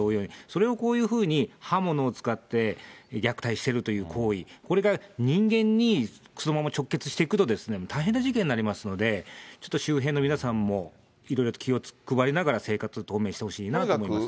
それがこういうふうに刃物を使って虐待してるという行為、これが人間にそのまま直結していくと、大変な事件になりますので、ちょっと周辺の皆さんも、いろいろと気を配りながら生活を当面してほしいなと思いますね。